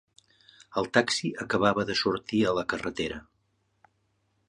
"El taxi acabava de sortir a la carretera".